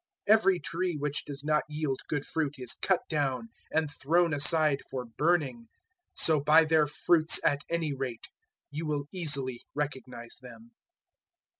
007:019 Every tree which does not yield good fruit is cut down and thrown aside for burning. 007:020 So by their fruits at any rate, you will easily recognize them.